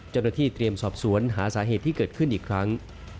เจ้าหน้าที่เตรียมสอบสวนหาสาเหตุที่เกิดขึ้นอีกครั้ง